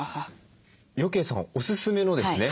余慶さんおすすめのですね